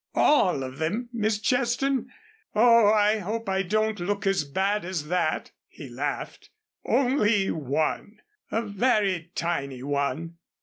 "All of them, Miss Cheston! Oh, I hope I don't look as bad as that," he laughed. "Only one a very tiny one."